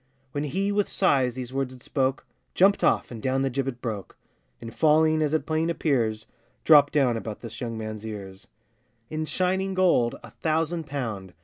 When he with sighs these words had spoke, Jumped off, and down the gibbet broke; In falling, as it plain appears, Dropped down about this young man's ears, In shining gold, a thousand pound!